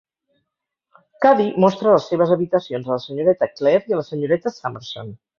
Caddy, mostra les seves habitacions a la senyoreta Clare i a la senyoreta Summerson.